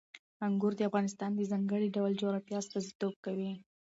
انګور د افغانستان د ځانګړي ډول جغرافیه استازیتوب کوي.